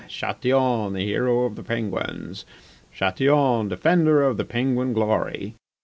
... Chatillon, the hero of the Penguins! Chatillon, defender of the Penguin glory!